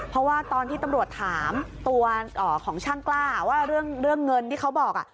เพราะว่าตอนที่ตำรวจถามตัวของช่างกล้าว่าเรื่องเงินที่เขาบอก